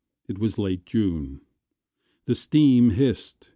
It was late June. The steam hissed.